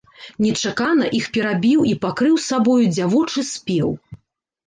Нечакана іх перабіў і пакрыў сабою дзявочы спеў.